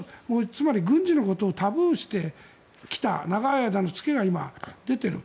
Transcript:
つまり、軍事のことをタブー視してきた長い間の付けが今、出ている。